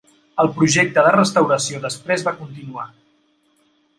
El projecte de restauració després va continuar.